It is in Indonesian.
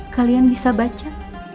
kalian bisa baca